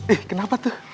ih kenapa tuh